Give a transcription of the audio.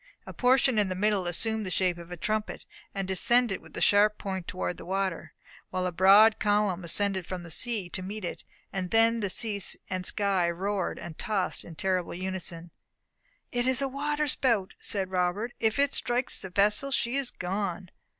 A portion in the middle assumed the shape of a trumpet, and descended with the sharp point toward the water; while a broad column ascended from the sea to meet it; and then sea and sky roared and tossed in terrible unison. "It is a water spout!" said Robert, "if it strikes the vessel she is gone.